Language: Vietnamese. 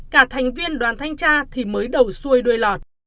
cả thành viên đoàn thanh tra thì mới đầu xuôi đuôi lọt